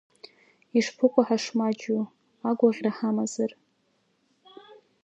Ишԥыкәу ҳашмаҷҩу, агәаӷьра ҳамазар…